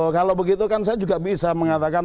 kalau begitu kan saya juga bisa mengatakan